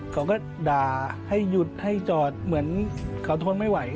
เขาก็ด่าให้หยุดให้จอดเหมือนเขาทนไม่ไหว